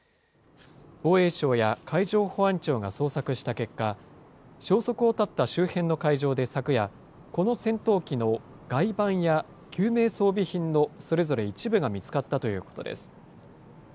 防衛省や海上保安庁が捜索した結果、消息を絶った周辺の海上で昨夜、この戦闘機の外板や救命装備品のそれぞれ一部が見つかったということです。